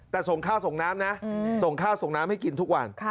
แต่ส่งข้าวส่งน้ำนะส่งข้าวส่งน้ำให้กินทุกวัน